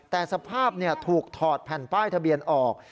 แต่สภาพถูกถอดแผ่นป้ายทะเบียนออก